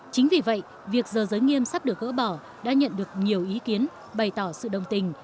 chính vì vậy việc giờ giới nghiêm sắp được gỡ bỏ đã nhận được nhiều ý kiến bày tỏ sự đồng tình